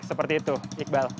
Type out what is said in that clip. seperti itu iqbal